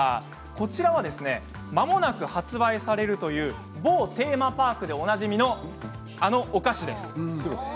こちらは、まもなく発売されるという某テーマパークでおなじみのあのお菓子です。